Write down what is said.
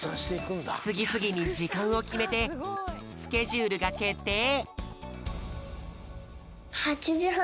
つぎつぎにじかんをきめてスケジュールがけってい！